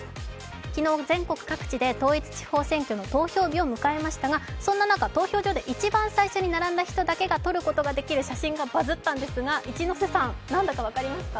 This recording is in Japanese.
昨日、全国各地で統一地方選挙の投票日を迎えましたがそんな中、投票所で一番最初に並んだ人だけが撮ることができる写真がバズったんですが一ノ瀬さん、何だかわかりますか？